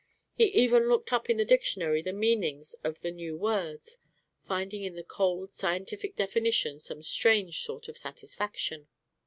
He even looked up in the dictionary the meanings of the new words, finding in the cold, scientific definitions some strange sort of satisfaction.